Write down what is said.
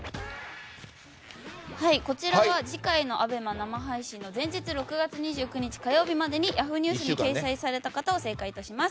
こちらは次回のＡＢＥＭＡ生配信の前日６月２９日火曜日までにＹａｈｏｏ！ニュースに掲載された方を正解とします。